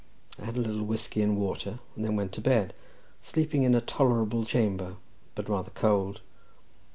I had a little whisky and water, and then went to bed, sleeping in a tolerable chamber, but rather cold.